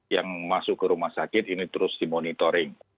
yang masuk ke rumah sakit ini terus dimonitoring